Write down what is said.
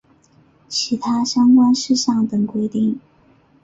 其他相关事项等规定